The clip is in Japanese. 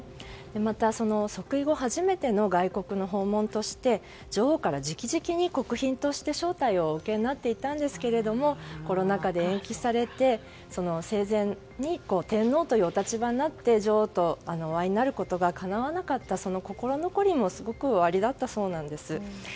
また、即位後初めての外国訪問として女王から直々に国賓として招待をお受けになっていたんですけれどもコロナ禍で延期されて生前に天皇というお立場になって女王とお会いになることがかなわなかったその心残りもすごくおありだったそうなんです。